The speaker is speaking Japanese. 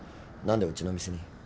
何でうちの店に？